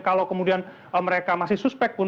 kalau kemudian mereka masih suspek pun